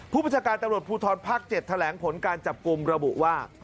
ประชาการตำรวจภูทรภาค๗แถลงผลการจับกลุ่มระบุว่า